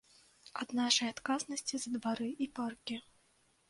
Ад нашай адказнасці за двары і паркі.